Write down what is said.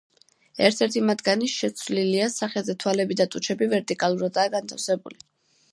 ერთ-ერთი მათგანი შეცვლილია, სახეზე თვალები და ტუჩები ვერტიკალურადაა განთავსებული.